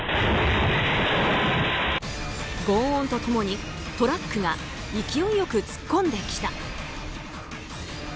轟音と共にトラックが勢いよく突っ込んできた。